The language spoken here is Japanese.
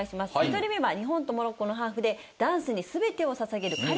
１人目は日本とモロッコのハーフでダンスに全てを捧げる。